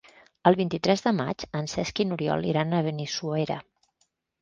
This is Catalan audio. El vint-i-tres de maig en Cesc i n'Oriol iran a Benissuera.